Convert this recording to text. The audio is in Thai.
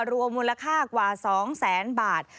รัวมูลค่ากว่า๒๐๐๐๐บาท